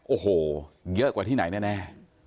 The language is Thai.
โอ้โหเยอะกว่าที่ไหนแน่